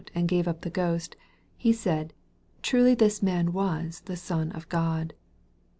and gave up the ghost, he said, Truly this man was the Son of God.